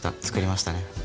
作りましたね。